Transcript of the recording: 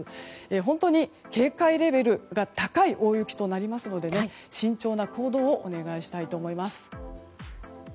本当に警戒レベルが高い大雪となりますので慎重な行動をお願いしたいと思います。